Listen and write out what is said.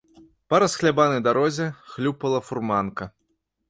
Па расхлябанай дарозе хлюпала фурманка.